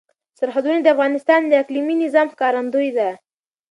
سرحدونه د افغانستان د اقلیمي نظام ښکارندوی ده.